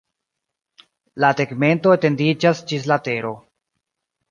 La tegmento etendiĝas ĝis la tero.